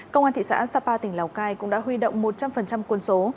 công an thị xã sapa tỉnh lào cai cũng đã huy động một trăm linh quân số